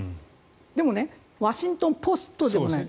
でも、ワシントン・ポストではない。